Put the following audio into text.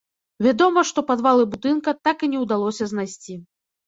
Вядома, што падвалы будынка так і не ўдалося знайсці.